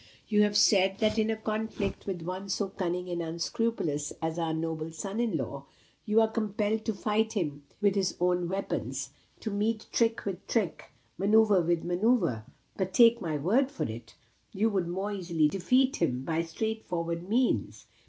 You have said that in a conflict with one so cunning and unscrupulous as our noble son in law, you are compelled to fight him with his own weapons to meet trick with trick, manoevre with manoeuvre; but take my word for it, you would more easily defeat him by straight forward means.